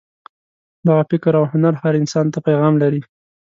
دغه فکر او هنر هر انسان ته پیغام لري.